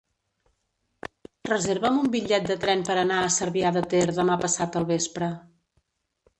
Reserva'm un bitllet de tren per anar a Cervià de Ter demà passat al vespre.